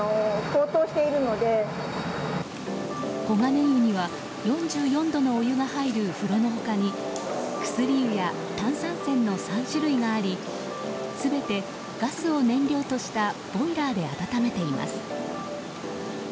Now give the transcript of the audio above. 黄金湯には４４度のお湯が入る風呂の他に薬湯や炭酸泉の３種類があり全てガスを燃料としたボイラーで温めています。